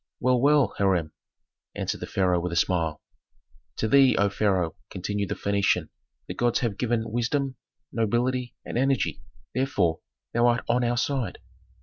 "Well, well, Hiram," answered the pharaoh with a smile. "To thee, O pharaoh," continued the Phœnician, "the gods have given wisdom, nobility, and energy, therefore, thou art on our side.